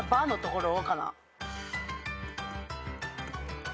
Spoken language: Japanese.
こうかな？